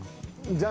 じゃあ。